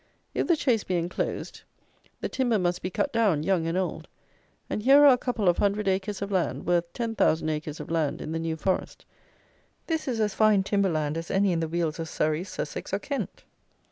If the Chase be enclosed, the timber must be cut down, young and old; and here are a couple of hundred acres of land, worth ten thousand acres of land in the New Forest. This is as fine timber land as any in the wealds of Surrey, Sussex or Kent.